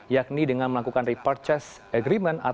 yakni dengan melakukan repurchase